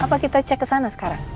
apa kita cek kesana sekarang